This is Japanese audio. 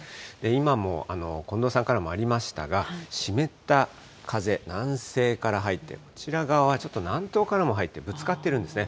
今も近藤さんからもありましたが、湿った風、南西から入って、こちら側は南東からも入ってぶつかってるんですね。